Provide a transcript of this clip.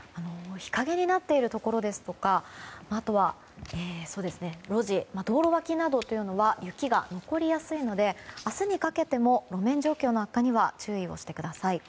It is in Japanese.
日陰になっているところですとか路地道路脇などというのは雪が残りやすいので明日にかけても路面状況の悪化には注意をしてください。